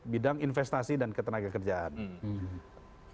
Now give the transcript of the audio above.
bidang investasi dan ketenaga kerjaan